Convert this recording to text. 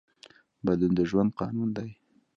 بدلون د ژوند قانون دی.